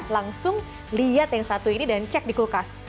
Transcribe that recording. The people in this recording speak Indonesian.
langsung lihat yang satu ini dan cek di kulkas